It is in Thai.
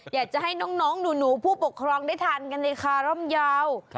อยากจะให้น้องหนูผู้ปกครองได้ทานกันในคาร่อมยาว